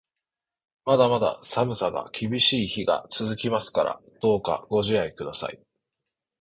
まだまだ寒さが厳しい日が続きますから、どうかご自愛ください。